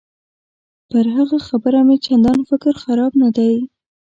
پر هغه خبره مې چندان فکر خراب نه دی.